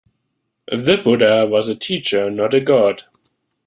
The Buddha was a teacher, not a god.